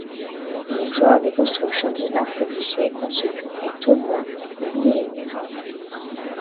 L'histoire des constructions diverses édifiées en ce lieu est au moins millénaire.